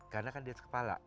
karena kan dia di kepala